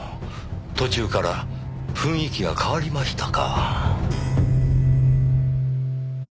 途中から雰囲気が変わりましたか。